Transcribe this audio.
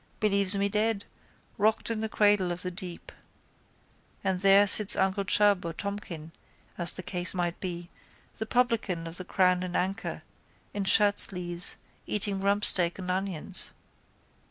Believes me dead, rocked in the cradle of the deep. And there sits uncle Chubb or Tomkin, as the case might be, the publican of the Crown and Anchor, in shirtsleeves, eating rumpsteak and onions.